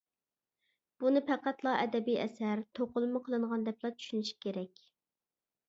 بۇنى پەقەتلا ئەدەبىي ئەسەر، توقۇلما قىلىنغان دەپلا چۈشىنىش كېرەك.